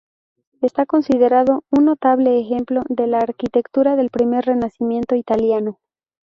Está considerado un notable ejemplo de la arquitectura del primer renacimiento italiano.